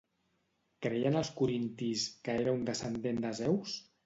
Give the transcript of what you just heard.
Creien els corintis que era un descendent de Zeus?